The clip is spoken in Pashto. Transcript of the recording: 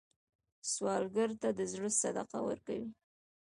سوالګر ته د زړه صدقه ورکوئ